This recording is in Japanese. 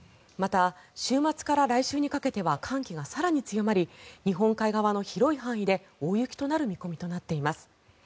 また、週末から来週にかけては寒気が更に強まり日本海側の広い範囲で大雪となる見込みとなっています。